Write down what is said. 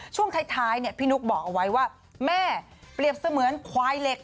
ช่วงท้ายพี่นุ๊กบอกเอาไว้ว่าแม่เปรียบเสมือนควายเหล็ก